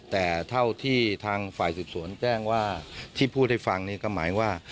แต่เท่าที่ทางฝ่ายสืบสวนแจ้งว่าที่พูดให้ฟังนี่ก็หมายว่า